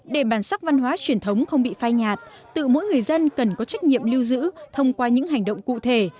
để bản sắc văn hóa truyền thống không bị phai nhạt tự mỗi người dân cần có trách nhiệm lưu giữ thông qua những hành động cụ thể